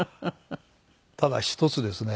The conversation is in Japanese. ただ一つですね